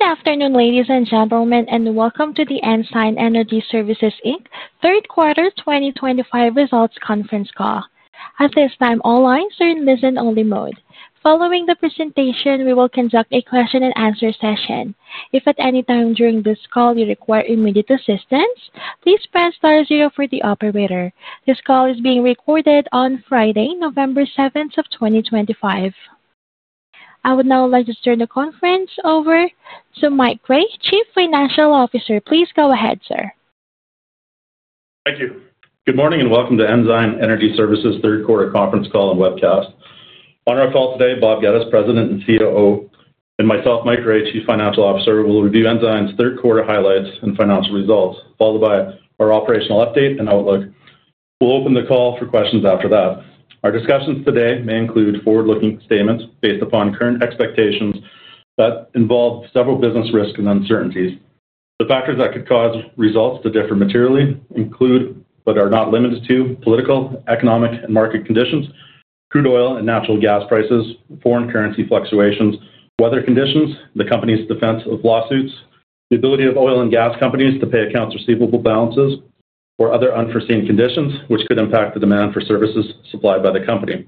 Good afternoon, ladies and gentlemen, and welcome to the Ensign Energy Services Q3 2025 Results Conference Call. At this time, all lines are in listen-only mode. Following the presentation, we will conduct a question-and-answer session. If at any time during this call you require immediate assistance, please press star zero for the operator. This call is being recorded on Friday, November 7, 2025. I would now like to turn the conference over to Mike Gray, Chief Financial Officer. Please go ahead, sir. Thank you. Good morning and welcome to Ensign Energy Services Q3 Conference Call and Webcast. On our call today, Bob Geddes, President and COO, and myself, Mike Gray, Chief Financial Officer, will review Ensign's Q3 highlights and financial results, followed by our operational update and outlook. We'll open the call for questions after that. Our discussions today may include forward-looking statements based upon current expectations that involve several business risks and uncertainties. The factors that could cause results to differ materially include, but are not limited to, political, economic, and market conditions, crude oil and natural gas prices, foreign currency fluctuations, weather conditions, the company's defense of lawsuits, the ability of oil and gas companies to pay accounts receivable balances, or other unforeseen conditions which could impact the demand for services supplied by the company.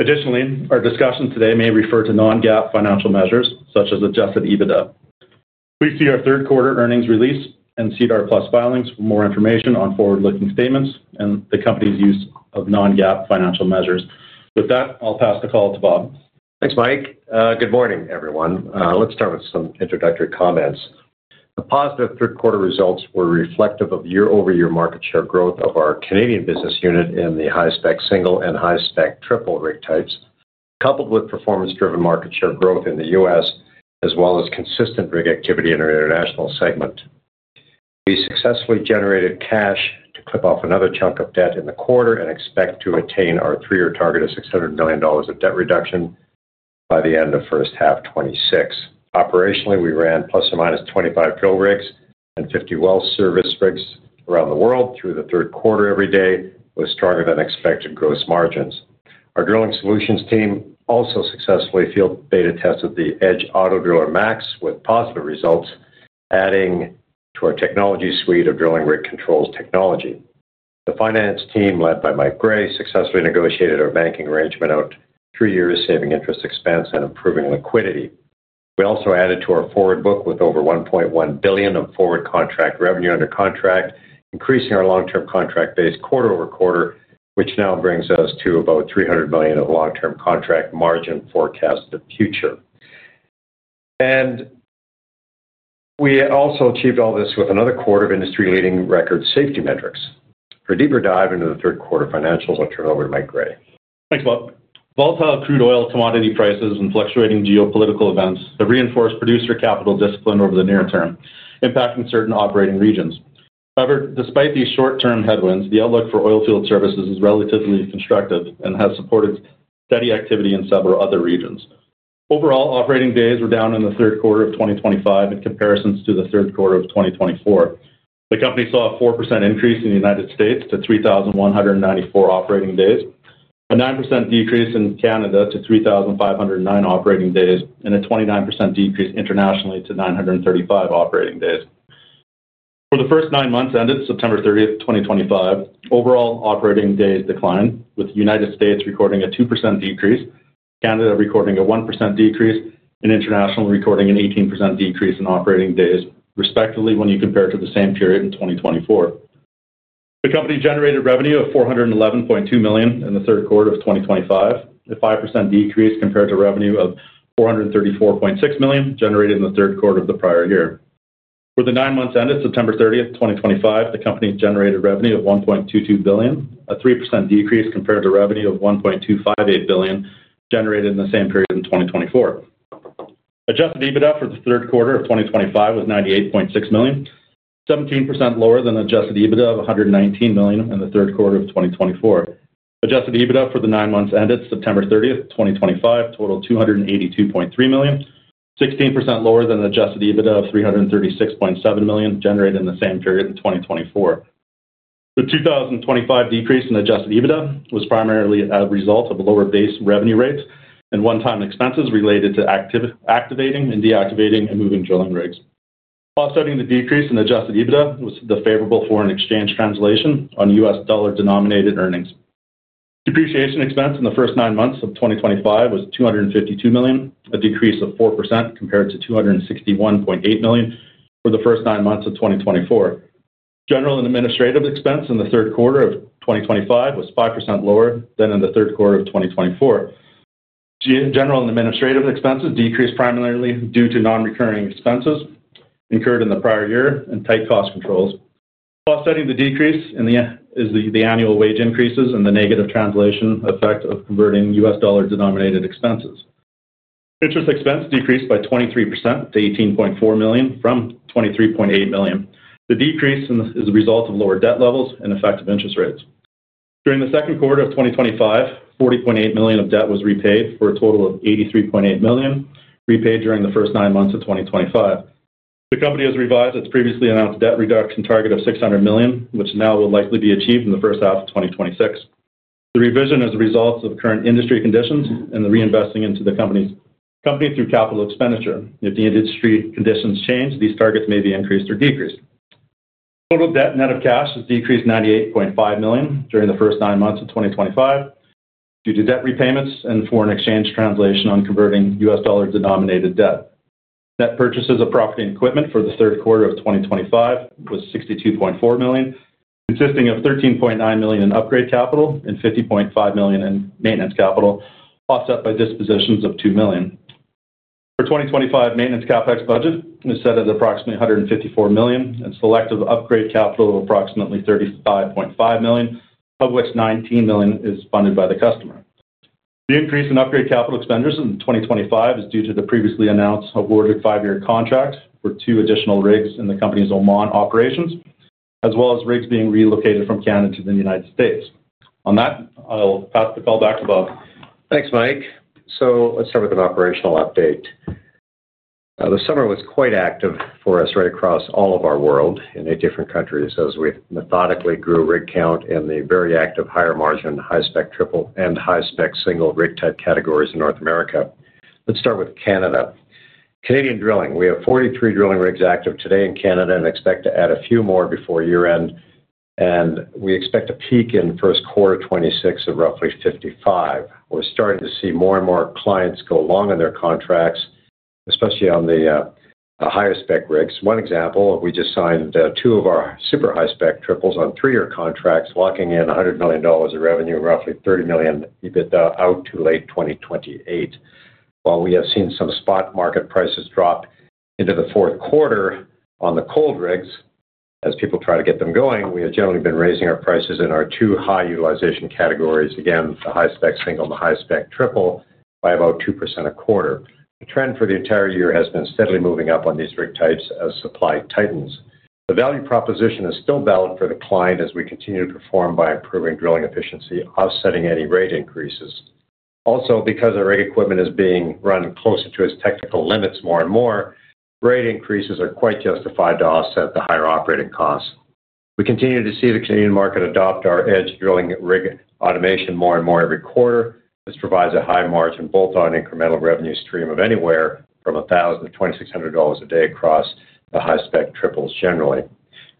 Additionally, our discussions today may refer to non-GAAP financial measures such as adjusted EBITDA. Please see our Q3 earnings release and Cedar Plus filings for more information on forward-looking statements and the company's use of non-GAAP financial measures. With that, I'll pass the call to Bob. Thanks, Mike. Good morning, everyone. Let's start with some introductory comments. The positive Q3 results were reflective of year-over-year market share growth of our Canadian business unit in the high-spec single and high-spec triple rig types, coupled with performance-driven market share growth in the U.S., as well as consistent rig activity in our international segment. We successfully generated cash to clip off another chunk of debt in the quarter and expect to attain our three-year target of $600 million of debt reduction by the end of Q1 2026. Operationally, we ran plus or minus 25 drill rigs and 50 well service rigs around the world through the Q3 every day, with stronger-than-expected gross margins. Our drilling solutions team also successfully field beta-tested the Edge Autodriller Max with positive results, adding to our technology suite of drilling rig control technology. The finance team, led by Mike Gray, successfully negotiated our banking arrangement out three years, saving interest expense and improving liquidity. We also added to our forward book with over $1.1 billion of forward contract revenue under contract, increasing our long-term contract base quarter over quarter, which now brings us to about $300 million of long-term contract margin forecasted future. We also achieved all this with another quarter of industry-leading record safety metrics. For a deeper dive into the Q3 financials, I'll turn it over to Mike Gray. Thanks, Bob. Volatile crude oil commodity prices and fluctuating geopolitical events have reinforced producer capital discipline over the near term, impacting certain operating regions. However, despite these short-term headwinds, the outlook for oilfield services is relatively constructive and has supported steady activity in several other regions. Overall, operating days were down in Q3 2025 in comparison to Q3 2024. The company saw a 4% increase in the U.S. to 3,194 operating days, a 9% decrease in Canada to 3,509 operating days, and a 29% decrease internationally to 935 operating days. For the first nine months ended September 30, 2025, overall operating days declined, with the U.S. recording a 2% decrease, Canada recording a 1% decrease, and international recording an 18% decrease in operating days, respectively when you compare to the same period in 2024. The company generated revenue of $411.2 million in Q3 of 2025, a 5% decrease compared to revenue of $434.6 million generated in Q3 of the prior year. For the nine months ended September 30, 2025, the company generated revenue of $1.22 billion, a 3% decrease compared to revenue of $1.258 billion generated in the same period in 2024. Adjusted EBITDA for Q3 of 2025 was $98.6 million, 17% lower than adjusted EBITDA of $119 million in Q3 of 2024. Adjusted EBITDA for the nine months ended September 30, 2025, totaled $282.3 million, 16% lower than adjusted EBITDA of $336.7 million generated in the same period in 2024. The 2025 decrease in adjusted EBITDA was primarily a result of lower base revenue rates and one-time expenses related to activating and deactivating and moving drilling rigs. Offsetting the decrease in adjusted EBITDA was the favorable foreign exchange translation on U.S. dollar-denominated earnings. Depreciation expense in the first nine months of 2025 was $252 million, a decrease of 4% compared to $261.8 million for the first nine months of 2024. General and administrative expense in Q3 of 2025 was 5% lower than in Q3 of 2024. General and administrative expenses decreased primarily due to non-recurring expenses incurred in the prior year and tight cost controls. Offsetting the decrease is the annual wage increases and the negative translation effect of converting U.S. dollar-denominated expenses. Interest expense decreased by 23% to $18.4 million from $23.8 million. The decrease is the result of lower debt levels and effective interest rates. During Q2 of 2025, $40.8 million of debt was repaid for a total of $83.8 million repaid during the first nine months of 2025. The company has revised its previously announced debt reduction target of $600 million, which now will likely be achieved in Q1 of 2026. The revision is a result of current industry conditions and the reinvesting into the company through capital expenditure. If the industry conditions change, these targets may be increased or decreased. Total debt net of cash has decreased $98.5 million during the first nine months of 2025 due to debt repayments and foreign exchange translation on converting U.S. dollar-denominated debt. Net purchases of property and equipment for Q3 of 2025 was $62.4 million, consisting of $13.9 million in upgrade capital and $50.5 million in maintenance capital, offset by dispositions of $2 million. For 2025, maintenance CapEx budget is set at approximately $154 million and selective upgrade capital of approximately $35.5 million, of which $19 million is funded by the customer. The increase in upgrade capital expenditures in 2025 is due to the previously announced awarded five-year contract for two additional rigs in the company's Oman operations, as well as rigs being relocated from Canada to the United States. On that, I'll pass the call back to Bob. Thanks, Mike. Let's start with an operational update. The summer was quite active for us right across all of our world in eight different countries as we methodically grew rig count in the very active higher margin, high-spec triple, and high-spec single rig type categories in North America. Let's start with Canada. Canadian drilling. We have 43 drilling rigs active today in Canada and expect to add a few more before year-end. We expect a peak in Q1 2026 of roughly 55. We're starting to see more and more clients go long on their contracts, especially on the higher spec rigs. One example, we just signed two of our super high-spec triples on three-year contracts, locking in $100 million of revenue and roughly $30 million EBITDA out to late 2028. While we have seen some spot market prices drop into the fourth quarter on the cold rigs as people try to get them going, we have generally been raising our prices in our two high utilization categories, again, the high spec single and the high spec triple, by about 2% a quarter. The trend for the entire year has been steadily moving up on these rig types as supply tightens. The value proposition is still valid for the client as we continue to perform by improving drilling efficiency, offsetting any rate increases. Also, because our rig equipment is being run closer to its technical limits more and more, rate increases are quite justified to offset the higher operating costs. We continue to see the Canadian market adopt our Edge drilling rig automation more and more every quarter. This provides a high margin bolt-on incremental revenue stream of anywhere from $1,000-$2,600 a day across the high-spec triples generally.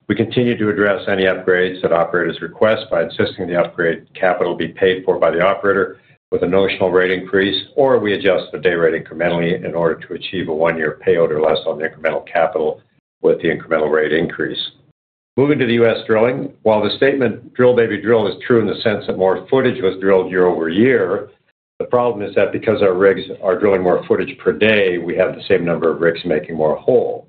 We continue to address any upgrades that operators request by insisting the upgrade capital be paid for by the operator with a notional rate increase, or we adjust the day rate incrementally in order to achieve a one-year payout or less on the incremental capital with the incremental rate increase. Moving to the U.S. drilling. While the statement "drill, baby, drill" is true in the sense that more footage was drilled year over year, the problem is that because our rigs are drilling more footage per day, we have the same number of rigs making more hole.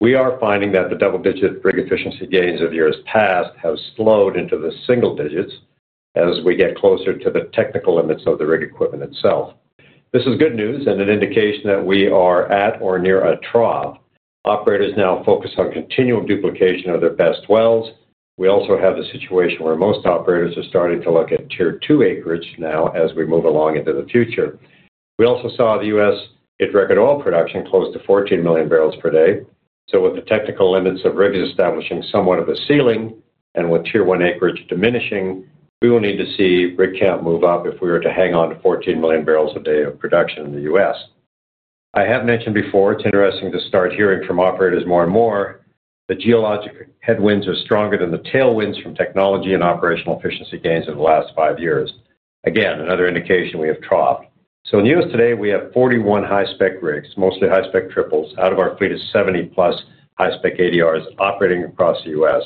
We are finding that the double-digit rig efficiency gains of years past have slowed into the single digits as we get closer to the technical limits of the rig equipment itself. This is good news and an indication that we are at or near a trough. Operators now focus on continual duplication of their best wells. We also have the situation where most operators are starting to look at tier two acreage now as we move along into the future. We also saw the U.S. hit record oil production close to 14 million barrels per day. With the technical limits of rigs establishing somewhat of a ceiling and with tier one acreage diminishing, we will need to see rig count move up if we were to hang on to 14 million barrels a day of production in the U.S. I have mentioned before, it's interesting to start hearing from operators more and more, the geologic headwinds are stronger than the tailwinds from technology and operational efficiency gains in the last five years. Again, another indication we have troughed. In the U.S. today, we have 41 high spec rigs, mostly high spec triples. Out of our fleet is 70-plus high spec ADRs operating across the U.S.,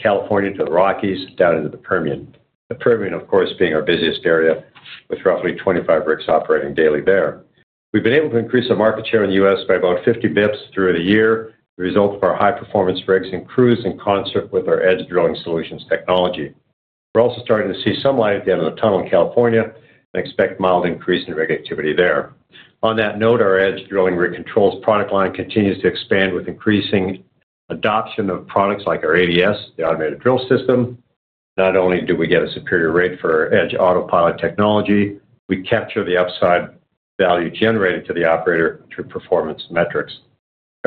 California to the Rockies, down into the Permian. The Permian, of course, being our busiest area with roughly 25 rigs operating daily there. We've been able to increase our market share in the U.S. by about 50 basis points through the year as a result of our high-performance rigs and crews in concert with our Edge drilling solutions technology. We're also starting to see some light at the end of the tunnel in California and expect mild increase in rig activity there. On that note, our Edge drilling rig controls product line continues to expand with increasing adoption of products like our ADS, the automated drill system. Not only do we get a superior rate for our Edge Autopilot technology, we capture the upside value generated to the operator through performance metrics.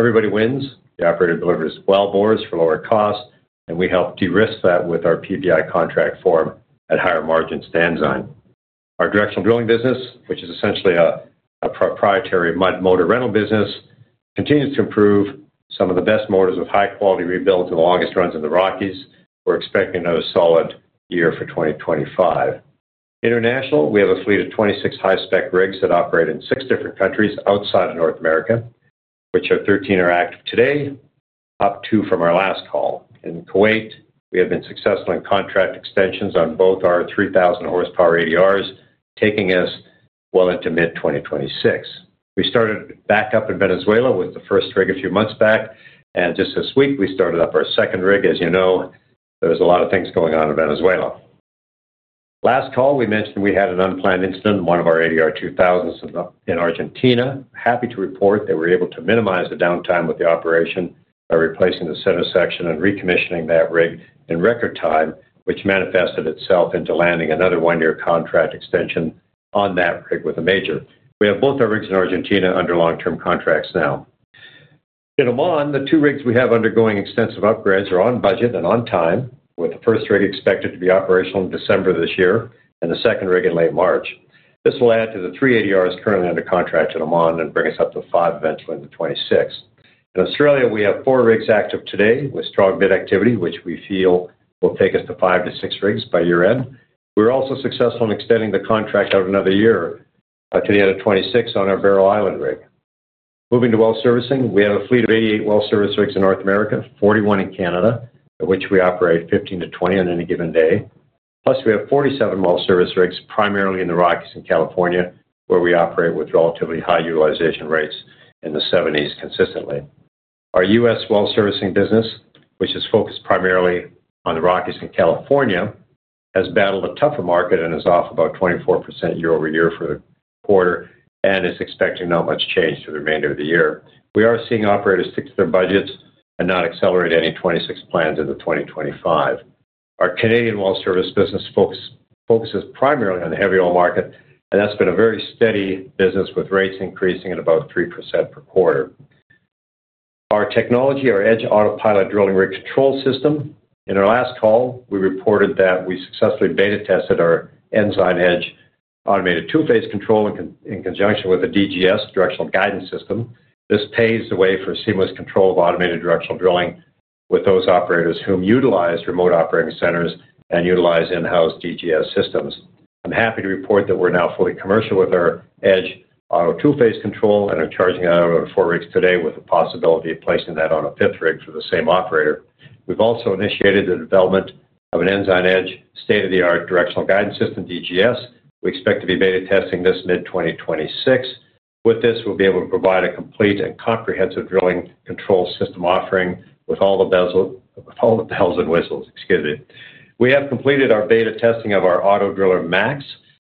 Everybody wins. The operator delivers well bores for lower cost, and we help de-risk that with our PBI contract form at higher margins to Ensign. Our directional drilling business, which is essentially a proprietary mud motor rental business, continues to improve some of the best motors with high-quality rebuild to the longest runs in the Rockies. We're expecting a solid year for 2025. International, we have a fleet of 26 high-spec rigs that operate in six different countries outside of North America, of which 13 are active today, up two from our last call. In Kuwait, we have been successful in contract extensions on both our 3,000-horsepower ADRs, taking us well into mid-2026. We started back up in Venezuela with the first rig a few months back, and just this week, we started up our second rig. As you know, there's a lot of things going on in Venezuela. Last call, we mentioned we had an unplanned incident in one of our ADR 2000s in Argentina. Happy to report they were able to minimize the downtime with the operation by replacing the center section and recommissioning that rig in record time, which manifested itself into landing another one-year contract extension on that rig with a major. We have both our rigs in Argentina under long-term contracts now. In Oman, the two rigs we have undergoing extensive upgrades are on budget and on time, with the first rig expected to be operational in December this year and the second rig in late March. This will add to the three ADRs currently under contract in Oman and bring us up to five eventually in 2026. In Australia, we have four rigs active today with strong bid activity, which we feel will take us to five to six rigs by year-end. We were also successful in extending the contract out another year to the end of 2026 on our Barrow Island rig. Moving to well servicing, we have a fleet of 88 well service rigs in North America, 41 in Canada, of which we operate 15-20 on any given day. Plus, we have 47 well service rigs primarily in the Rockies and California, where we operate with relatively high utilization rates in the 70% range consistently. Our U.S. well servicing business, which is focused primarily on the Rockies and California, has battled a tougher market and is off about 24% year over year for the quarter and is expecting not much change for the remainder of the year. We are seeing operators stick to their budgets and not accelerate any 2026 plans into 2025. Our Canadian well service business focuses primarily on the heavy oil market, and that's been a very steady business with rates increasing at about 3% per quarter. Our technology, our Edge Autopilot drilling rig control system. In our last call, we reported that we successfully beta tested our Ensign Edge Auto Two-Phase Control in conjunction with a DGS Directional Guidance System. This paves the way for seamless control of automated directional drilling with those operators who utilize remote operating centers and utilize in-house DGS systems. I'm happy to report that we're now fully commercial with our Edge Auto Two-Phase Control and are charging out our four rigs today with the possibility of placing that on a fifth rig for the same operator. We've also initiated the development of an Ensign Edge state-of-the-art directional guidance system, DGS. We expect to be beta testing this mid-2026. With this, we'll be able to provide a complete and comprehensive drilling control system offering with all the bells and whistles. Excuse me. We have completed our beta testing of our Auto Driller Max,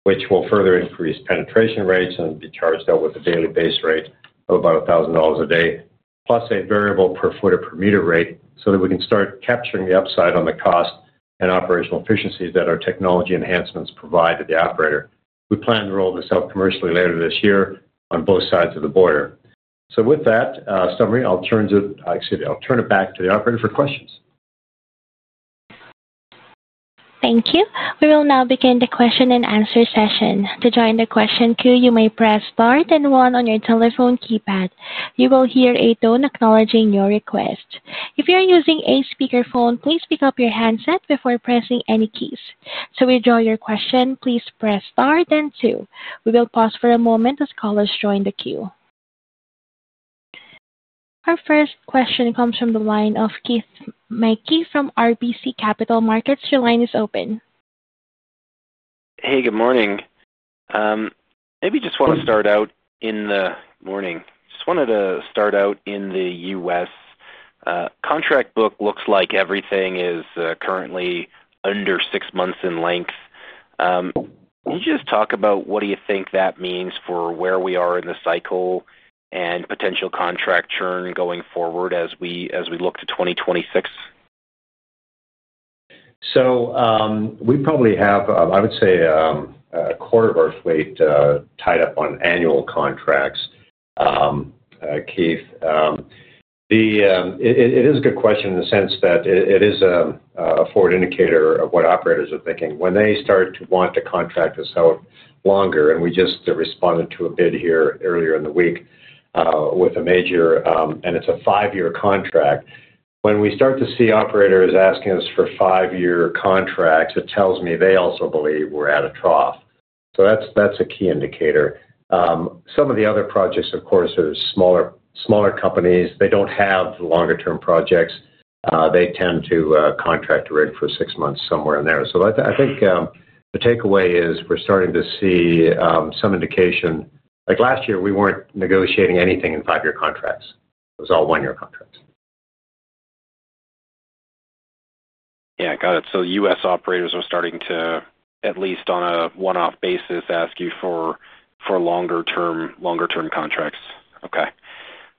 which will further increase penetration rates and be charged out with a daily base rate of about $1,000 a day, plus a variable per foot or per meter rate so that we can start capturing the upside on the cost and operational efficiencies that our technology enhancements provide to the operator. We plan to roll this out commercially later this year on both sides of the border. With that summary, I'll turn it back to the operator for questions. Thank you. We will now begin the question and answer session. To join the question queue, you may press star and one on your telephone keypad. You will hear a tone acknowledging your request. If you're using a speakerphone, please pick up your handset before pressing any keys. To withdraw your question, please press star and two. We will pause for a moment as callers join the queue. Our first question comes from the line of Keith Mackey from RBC Capital Markets. Your line is open. Hey, good morning. Maybe just want to start out in the morning. Just wanted to start out in the U.S. Contract book looks like everything is currently under six months in length. Can you just talk about what do you think that means for where we are in the cycle and potential contract churn going forward as we look to 2026? We probably have, I would say, a quarter of our fleet tied up on annual contracts, Keith. It is a good question in the sense that it is a forward indicator of what operators are thinking. When they start to want to contract us out longer, and we just responded to a bid here earlier in the week with a major, and it's a five-year contract. When we start to see operators asking us for five-year contracts, it tells me they also believe we're at a trough. That's a key indicator. Some of the other projects, of course, are smaller companies. They don't have longer-term projects. They tend to contract a rig for six months somewhere in there. I think the takeaway is we're starting to see some indication. Like last year, we weren't negotiating anything in five-year contracts. It was all one-year contracts. Yeah, got it. U.S. operators are starting to, at least on a one-off basis, ask you for longer-term contracts. Okay.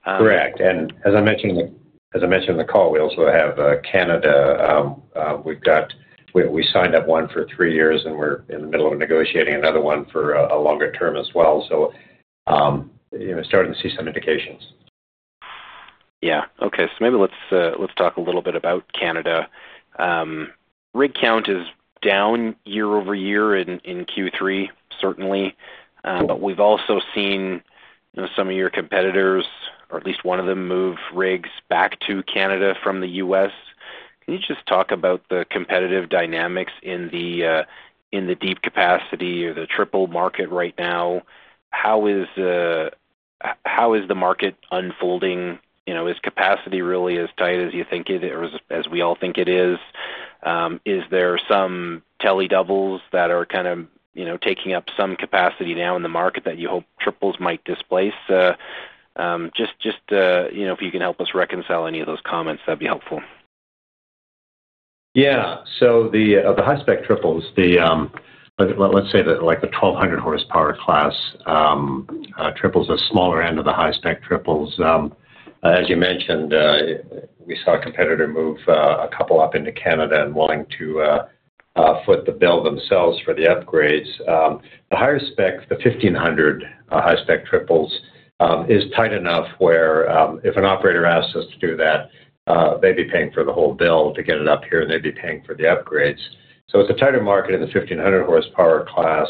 Correct. As I mentioned in the call, we also have Canada. We signed up one for three years, and we're in the middle of negotiating another one for a longer term as well. We're starting to see some indications. Yeah. Okay. Maybe let's talk a little bit about Canada. Rig count is down year over year in Q3, certainly. But we've also seen some of your competitors, or at least one of them, move rigs back to Canada from the U.S. Can you just talk about the competitive dynamics in the deep capacity or the triple market right now? How is the market unfolding? Is capacity really as tight as you think it is, or as we all think it is? Is there some telly doubles that are kind of taking up some capacity now in the market that you hope triples might displace? Just if you can help us reconcile any of those comments, that'd be helpful. Yeah. So the high-spec triples, let's say the 1,200-horsepower class, triples are the smaller end of the high-spec triples. As you mentioned, we saw a competitor move a couple up into Canada and wanting to foot the bill themselves for the upgrades. The higher spec, the 1,500 high spec triples, is tight enough where if an operator asks us to do that, they'd be paying for the whole bill to get it up here, and they'd be paying for the upgrades. It is a tighter market in the 1,500-horsepower class.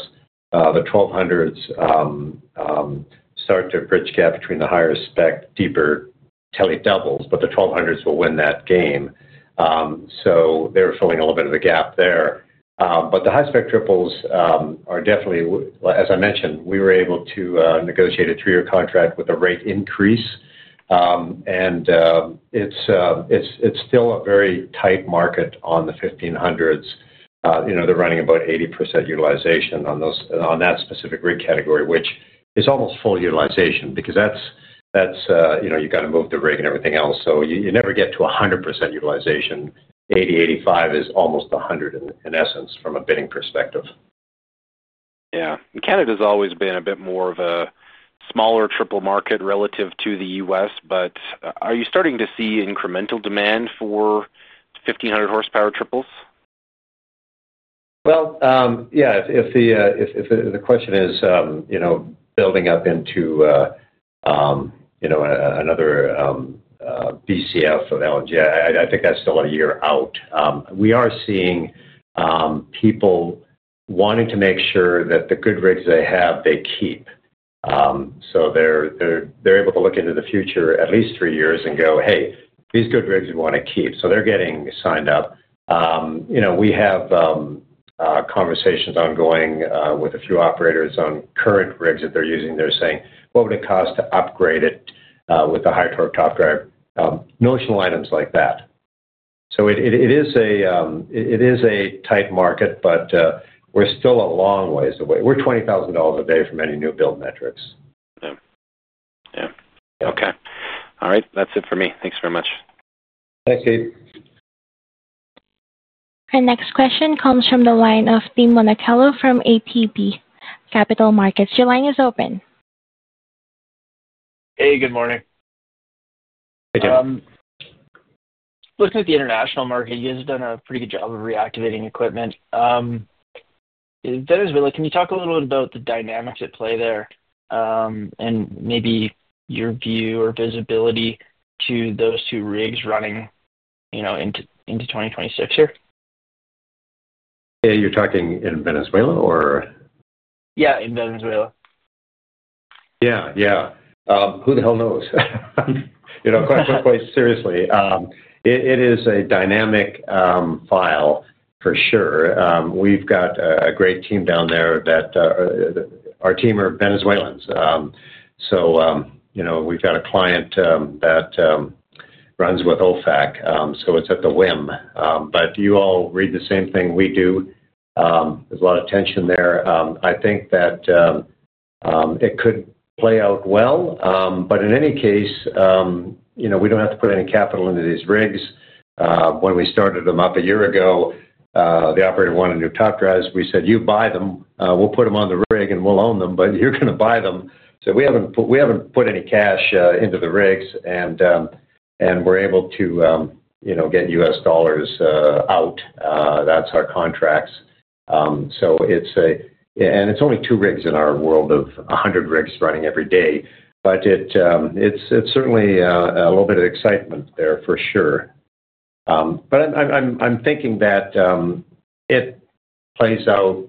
The 1,200s start to bridge the gap between the higher spec, deeper telly doubles, but the 1,200s will win that game. They are filling a little bit of the gap there. The high spec triples are definitely, as I mentioned, we were able to negotiate a three-year contract with a rate increase. It is still a very tight market on the 1,500s. They are running about 80% utilization on that specific rig category, which is almost full utilization because you have to move the rig and everything else. You never get to 100% utilization. 80, 85 is almost 100 in essence from a bidding perspective. Yeah. Canada's always been a bit more of a smaller triple market relative to the U.S., but are you starting to see incremental demand for 1,500-horsepower triples? Yeah. If the question is building up into another BCF of LNG, I think that's still a year out. We are seeing people wanting to make sure that the good rigs they have, they keep. They're able to look into the future at least three years and go, "Hey, these good rigs we want to keep." They're getting signed up. We have conversations ongoing with a few operators on current rigs that they're using. They're saying, "What would it cost to upgrade it with the high torque top drive?" Notional items like that. It is a tight market, but we're still a long ways away. We're $20,000 a day from any new build metrics. Yeah. Yeah. Okay. All right. That's it for me. Thanks very much. Thanks, Keith. Our next question comes from the line of Dean Monacelli from ATB Capital Markets. Your line is open. Hey, good morning. Looking at the international market, you guys have done a pretty good job of reactivating equipment. Venezuela, can you talk a little bit about the dynamics at play there and maybe your view or visibility to those two rigs running into 2026 here? Yeah. You're talking in Venezuela, or? Yeah, in Venezuela. Yeah. Yeah. Who the hell knows? Quite seriously, it is a dynamic file for sure. We've got a great team down there. Our team are Venezuelans. So we've got a client that runs with OFAC. So it's at the whim. You all read the same thing we do. There's a lot of tension there. I think that it could play out well. In any case, we don't have to put any capital into these rigs. When we started them up a year ago, the operator wanted new top drives. We said, "You buy them. We'll put them on the rig and we'll own them, but you're going to buy them." We haven't put any cash into the rigs, and we're able to get U.S. dollars out. That's our contracts. It's only two rigs in our world of 100 rigs running every day. It's certainly a little bit of excitement there for sure. I'm thinking that it plays out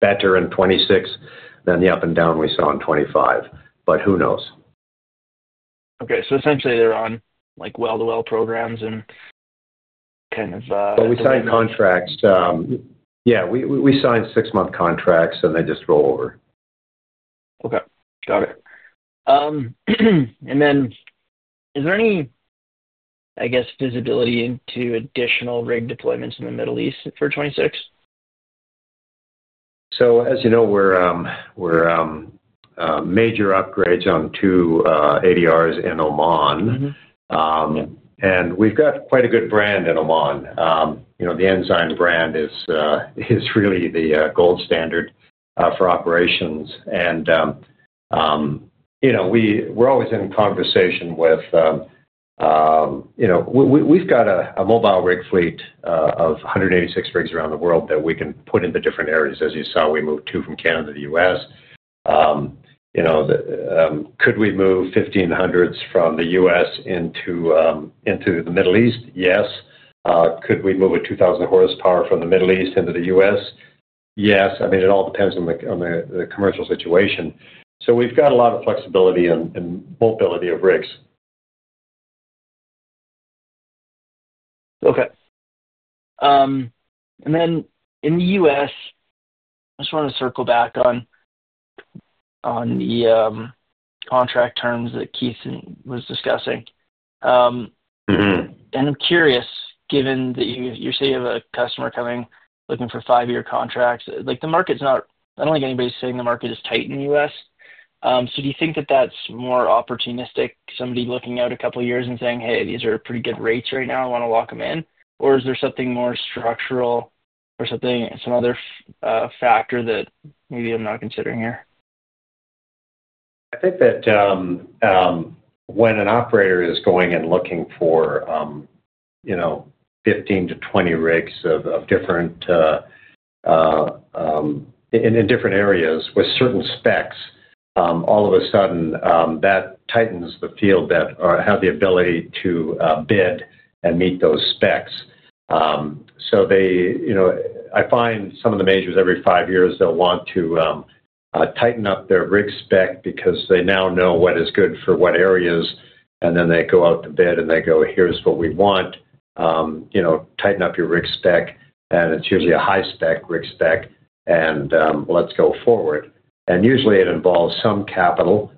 better in 2026 than the up and down we saw in 2025. Who knows? Okay. Essentially, they're on well-to-well programs and kind of. We signed contracts. Yeah. We signed six-month contracts, and they just roll over. Okay. Got it. Is there any, I guess, visibility into additional rig deployments in the Middle East for 2026? As you know, we're major upgrades on two ADRs in Oman. We have quite a good brand in Oman. The Ensign brand is really the gold standard for operations. We are always in conversation with, we have a mobile rig fleet of 186 rigs around the world that we can put into different areas. As you saw, we moved two from Canada to the U.S. Could we move 1,500s from the U.S. into the Middle East? Yes. Could we move a 2,000-horsepower from the Middle East into the U.S.? Yes. I mean, it all depends on the commercial situation. We have a lot of flexibility and mobility of rigs. Okay. In the U.S., I just want to circle back on the contract terms that Keith was discussing. I'm curious, given that you say you have a customer coming looking for five-year contracts, the market's not, I don't think anybody's saying the market is tight in the U.S. Do you think that that's more opportunistic, somebody looking out a couple of years and saying, "Hey, these are pretty good rates right now. I want to lock them in"? Or is there something more structural or some other factor that maybe I'm not considering here? I think that when an operator is going and looking for 15-20 rigs in different areas with certain specs, all of a sudden, that tightens the field that have the ability to bid and meet those specs. I find some of the majors every five years, they'll want to tighten up their rig spec because they now know what is good for what areas. They go out to bid, and they go, "Here's what we want. Tighten up your rig spec." It is usually a high-spec rig spec, and let's go forward. Usually, it involves some capital.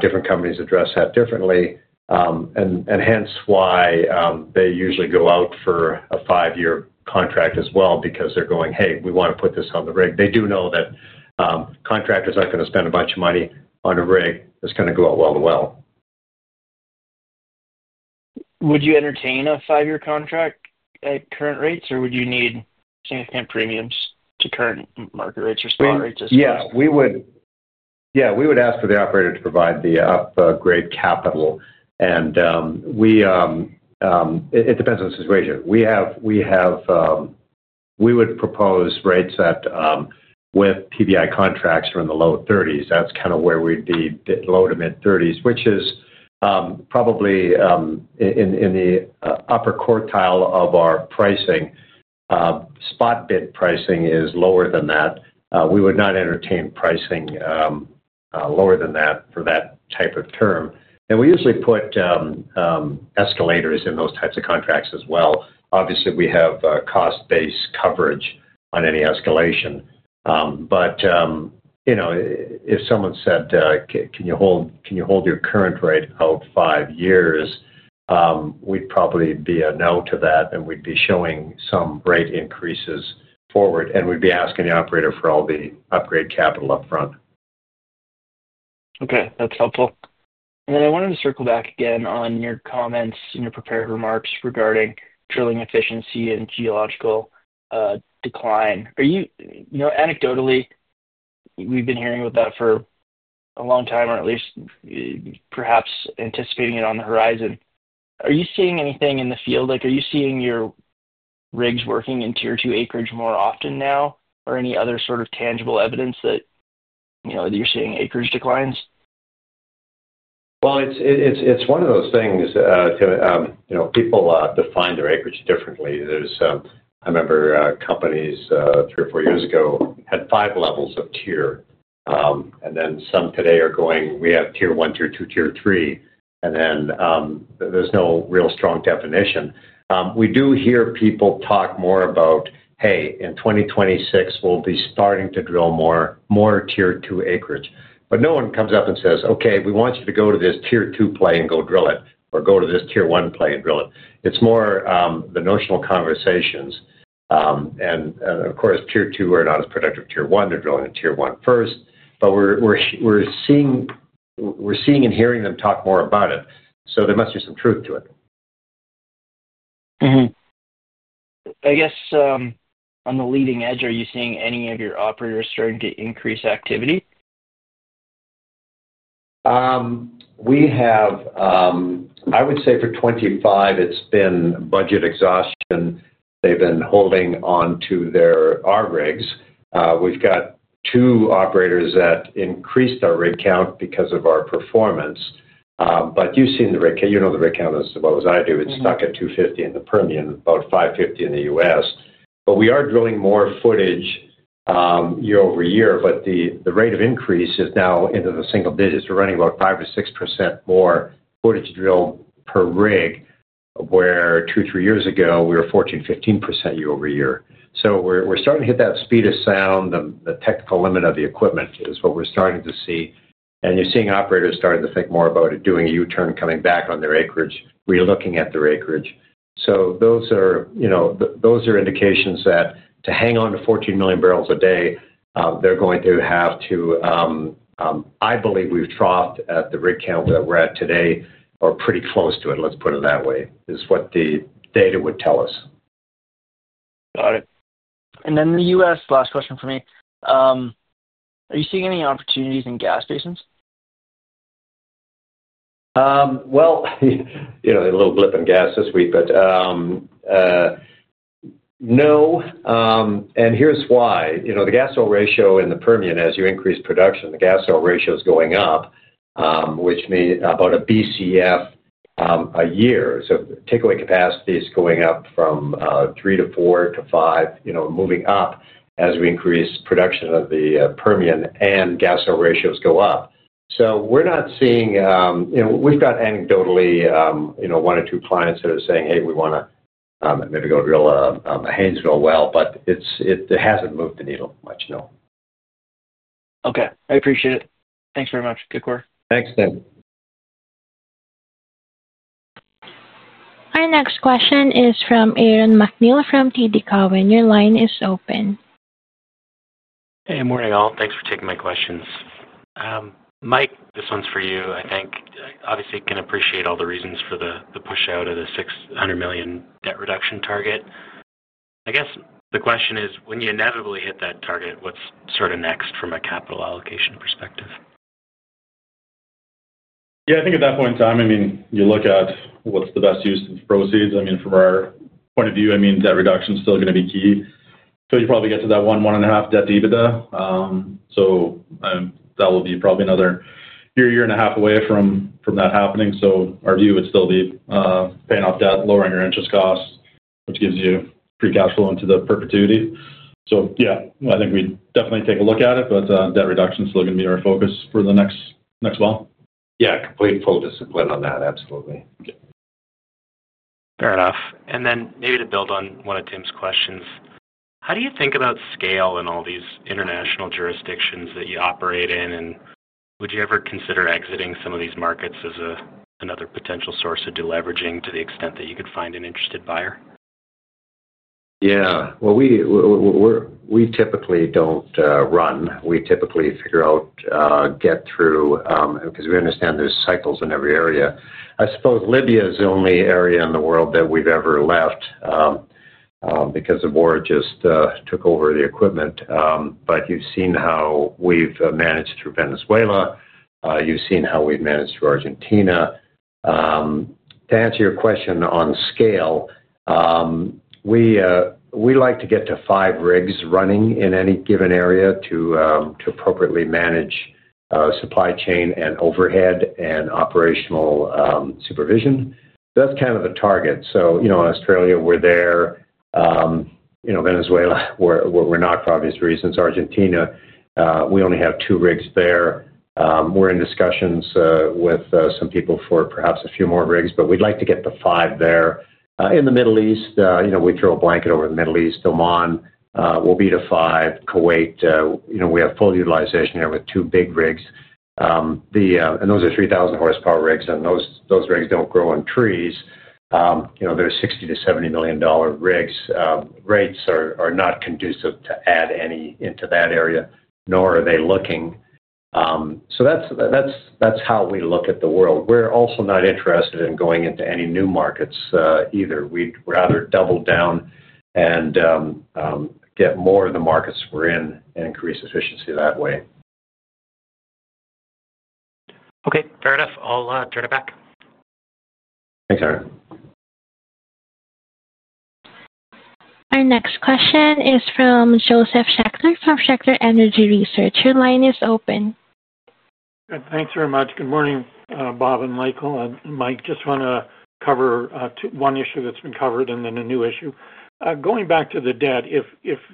Different companies address that differently. That is why they usually go out for a five-year contract as well because they are going, "Hey, we want to put this on the rig." They do know that contractors are not going to spend a bunch of money on a rig that is going to go out well to well. Would you entertain a five-year contract at current rates, or would you need significant premiums to current market rates or spot rates as well? Yeah. Yeah. We would ask for the operator to provide the upgrade capital. It depends on the situation. We would propose rates that with PBI contracts are in the low 30s. That's kind of where we'd be, low to mid-30s, which is probably in the upper quartile of our pricing. Spot bid pricing is lower than that. We would not entertain pricing lower than that for that type of term. We usually put escalators in those types of contracts as well. Obviously, we have cost-based coverage on any escalation. If someone said, "Can you hold your current rate out five years?" we'd probably be a no to that, and we'd be showing some rate increases forward. We'd be asking the operator for all the upgrade capital upfront. Okay. That's helpful. I wanted to circle back again on your comments and your prepared remarks regarding drilling efficiency and geological decline. Anecdotally, we've been hearing about that for a long time, or at least perhaps anticipating it on the horizon. Are you seeing anything in the field? Are you seeing your rigs working in tier two acreage more often now, or any other sort of tangible evidence that you're seeing acreage declines? It is one of those things. People define their acreage differently. I remember companies three or four years ago had five levels of tier. Some today are going, "We have tier one, tier two, tier three." There is no real strong definition. We do hear people talk more about, "Hey, in 2026, we'll be starting to drill more tier two acreage." No one comes up and says, "Okay, we want you to go to this tier two play and go drill it," or, "Go to this tier one play and drill it." It is more the notional conversations. Of course, tier two are not as productive as tier one. They are drilling in tier one first. We're seeing and hearing them talk more about it. There must be some truth to it. I guess on the leading edge, are you seeing any of your operators starting to increase activity? I would say for 2025, it's been budget exhaustion. They've been holding on to their rigs. We've got two operators that increased our rig count because of our performance. You've seen the rig count. You know the rig count as well as I do. It's stuck at 250 in the Permian, about 550 in the U.S. We are drilling more footage year over year. The rate of increase is now into the single digits. We're running about 5-6% more footage drilled per rig, where two, three years ago, we were 14-15% year over year. We're starting to hit that speed of sound. The technical limit of the equipment is what we're starting to see. You're seeing operators starting to think more about it, doing a U-turn, coming back on their acreage, relooking at their acreage. Those are indications that to hang on to 14 million barrels a day, they're going to have to. I believe we've troughed at the rig count that we're at today or pretty close to it, let's put it that way, is what the data would tell us. Got it. In the U.S., last question for me. Are you seeing any opportunities in gas stations? A little blip in gas this week, but no. Here's why. The gas oil ratio in the Permian, as you increase production, the gas oil ratio is going up, which means about a BCF a year. Takeaway capacity is going up from three to four to five, moving up as we increase production of the Permian, and gas oil ratios go up. We're not seeing—we've got anecdotally one or two clients that are saying, "Hey, we want to maybe go drill a Haynesville well," but it hasn't moved the needle much, no. Okay. I appreciate it. Thanks very much. Good quarter. Thanks, Tim. Our next question is from Aaron MacNeil from TD Cowen. Your line is open. Hey, morning all. Thanks for taking my questions. Mike, this one's for you, I think. Obviously, can appreciate all the reasons for the push out of the $600 million debt reduction target. I guess the question is, when you inevitably hit that target, what's sort of next from a capital allocation perspective? Yeah. I think at that point in time, I mean, you look at what's the best use of the proceeds. I mean, from our point of view, I mean, debt reduction is still going to be key. You probably get to that one, one and a half debt dividend. That will be probably another year, year and a half away from that happening. Our view would still be paying off debt, lowering your interest costs, which gives you free cash flow into perpetuity. Yeah, I think we definitely take a look at it, but debt reduction is still going to be our focus for the next while. Yeah. Complete full discipline on that. Absolutely. Fair enough. Maybe to build on one of Tim's questions, how do you think about scale in all these international jurisdictions that you operate in? Would you ever consider exiting some of these markets as another potential source of deleveraging to the extent that you could find an interested buyer? Yeah. We typically do not run. We typically figure out, get through, because we understand there are cycles in every area. I suppose Libya is the only area in the world that we have ever left because the war just took over the equipment. You have seen how we have managed through Venezuela. You have seen how we have managed through Argentina. To answer your question on scale, we like to get to five rigs running in any given area to appropriately manage supply chain and overhead and operational supervision. That is kind of the target. In Australia, we are there. Venezuela, we are not for obvious reasons. Argentina, we only have two rigs there. We are in discussions with some people for perhaps a few more rigs, but we would like to get to five there. In the Middle East, we throw a blanket over the Middle East. Oman will be to five. Kuwait, we have full utilization there with two big rigs. And those are 3,000-horsepower rigs, and those rigs do not grow on trees. They are $60 million-$70 million rigs. Rates are not conducive to add any into that area, nor are they looking. That is how we look at the world. We are also not interested in going into any new markets either. We would rather double down and get more of the markets we are in and increase efficiency that way. Okay. Fair enough. I'll turn it back. Thanks, Aaron. Our next question is from Josef Schachter from Schachter Energy Research. Your line is open. Thanks very much. Good morning, Bob and Michael. Mike, just want to cover one issue that's been covered and then a new issue. Going back to the debt, if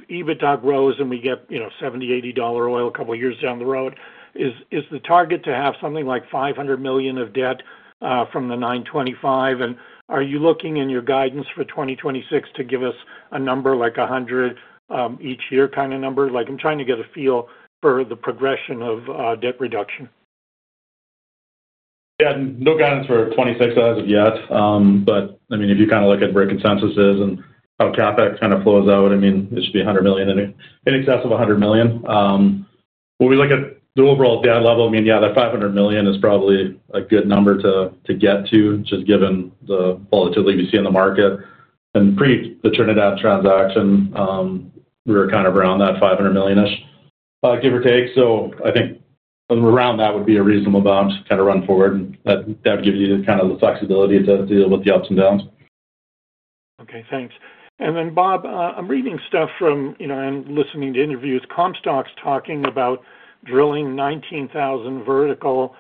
EBITDA grows and we get $70-$80 oil a couple of years down the road, is the target to have something like $500 million of debt from the $925 million? And are you looking in your guidance for 2026 to give us a number like $100 million each year kind of number? I'm trying to get a feel for the progression of debt reduction. Yeah. No guidance for 2026 as of yet. I mean, if you kind of look at break consensuses and how CapEx kind of flows out, I mean, it should be $100 million, in excess of $100 million. When we look at the overall debt level, I mean, yeah, that $500 million is probably a good number to get to, just given the volatility we see in the market. Pre the turnaround transaction, we were kind of around that $500 million-ish, give or take. I think around that would be a reasonable amount to kind of run forward. That would give you kind of the flexibility to deal with the ups and downs. Okay. Thanks. Bob, I'm reading stuff from and listening to interviews, Comstock's talking about drilling 19,000 vertical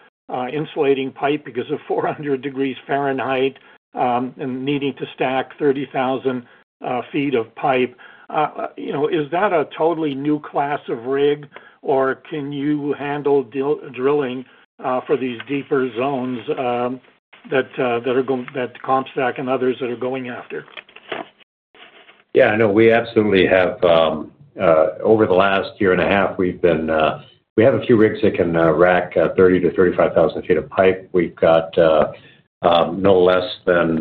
insulating pipe because of 400 degrees Fahrenheit and needing to stack 30,000 feet of pipe. Is that a totally new class of rig, or can you handle drilling for these deeper zones that Comstock and others that are going after? Yeah. No, we absolutely have. Over the last year and a half, we have a few rigs that can rack 30,000-35,000 ft of pipe. We've got no less than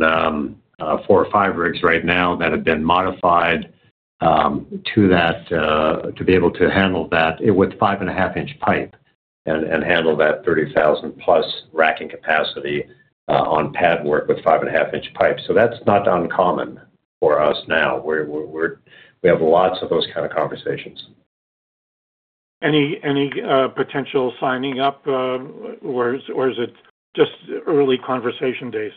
four or five rigs right now that have been modified to be able to handle that with 5 1/2 in pipe and handle that 30,000-plus racking capacity on pad work with 5 1/2 in pipe. That is not uncommon for us now. We have lots of those kind of conversations. Any potential signing up, or is it just early conversation days?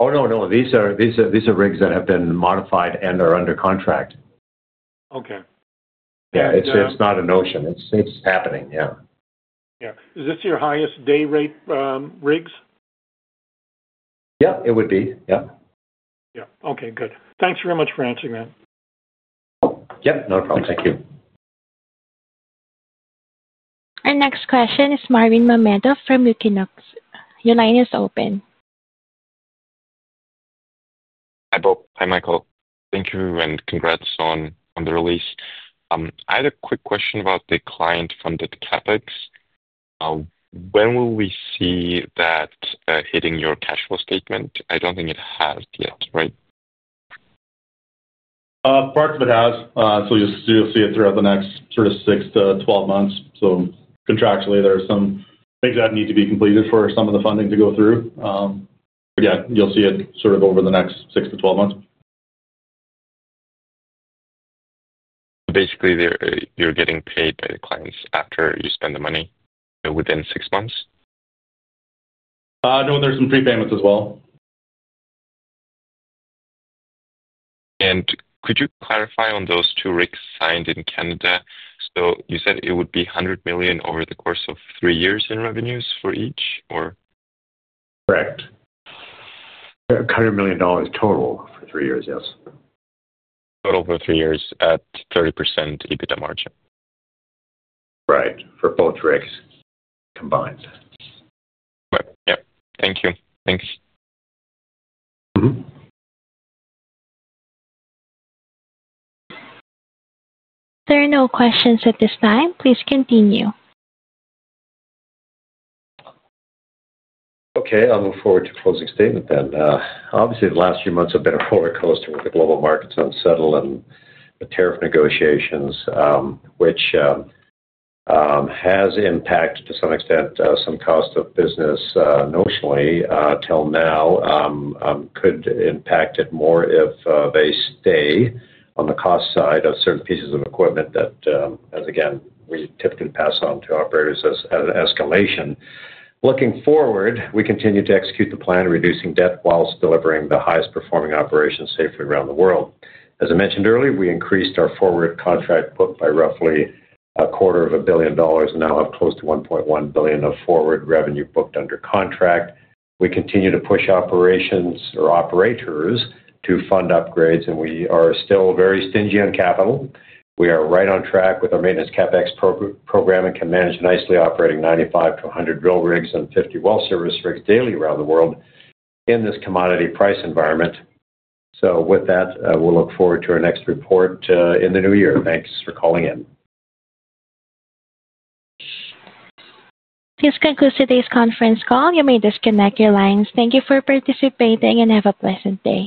Oh, no, no. These are rigs that have been modified and are under contract. Okay. Yeah. It's not a notion. It's happening. Yeah. Yeah. Is this your highest day rate rigs? Yeah, it would be. Yeah. Yeah. Okay. Good. Thanks very much for answering that. Yep. No problem. Thank you. Our next question is Marvin Mameda from Ukinox. Your line is open. Hi, Bob. Hi, Michael. Thank you and congrats on the release. I had a quick question about the client-funded CapEx. When will we see that hitting your cash flow statement? I do not think it has yet, right? Parts of it has. You'll see it throughout the next sort of 6 to 12 months. Contractually, there are some things that need to be completed for some of the funding to go through. Yeah, you'll see it sort of over the next 6 to 12 months. Basically, you're getting paid by the clients after you spend the money within six months? No, there's some prepayments as well. Could you clarify on those two rigs signed in Canada? You said it would be $100 million over the course of three years in revenues for each, or? Correct. $100 million total for three years, yes. Total for three years at 30% EBITDA margin? Right. For both rigs combined. Right. Yeah. Thank you. Thanks. There are no questions at this time. Please continue. Okay. I'll move forward to closing statement then. Obviously, the last few months have been a roller coaster with the global markets unsettled and the tariff negotiations, which has impacted to some extent some cost of business notionally till now. Could impact it more if they stay on the cost side of certain pieces of equipment that, again, we typically pass on to operators as an escalation. Looking forward, we continue to execute the plan of reducing debt whilst delivering the highest performing operations safely around the world. As I mentioned earlier, we increased our forward contract book by roughly a quarter of a billion dollars and now have close to $1.1 billion of forward revenue booked under contract. We continue to push operations or operators to fund upgrades, and we are still very stingy on capital. We are right on track with our maintenance CapEx program and can manage nicely operating 95-100 drill rigs and 50 well service rigs daily around the world in this commodity price environment. With that, we'll look forward to our next report in the new year. Thanks for calling in. This concludes today's conference call. You may disconnect your lines. Thank you for participating and have a pleasant day.